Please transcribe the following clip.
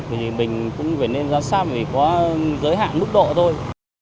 thì mình cũng phải nên giám sát vì có giới hạn mức độ thôi